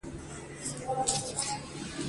د قدرت پیژندنه د ښه آمریت له اوصافو ده.